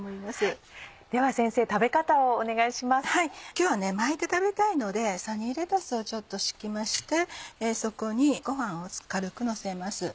今日は巻いて食べたいのでサニーレタスを敷きましてそこにご飯を軽くのせます。